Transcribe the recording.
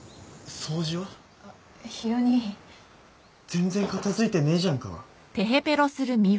全然片付いてねえじゃんか。